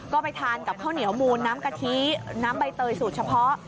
ก็ไปทานกับข้าวเหนียวมูลน้ำกะทิน้ำใบเตยสูตรเฉพาะ